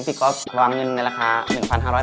บะอาตายังไงอ่ะอาตายังไง